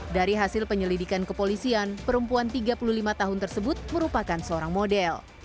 dari hasil penyelidikan kepolisian perempuan tiga puluh lima tahun tersebut merupakan seorang model